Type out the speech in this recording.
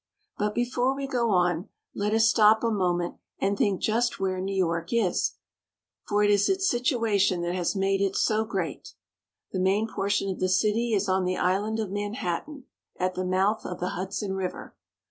But before we go on, let us stop a moment and think just where New York is ; for it is its situation that has made it so great. The main portion of the city is on the island of Manhattan, at the mouth of the Hudson River.